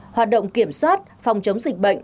hoạt động kiểm soát phòng chống dịch bệnh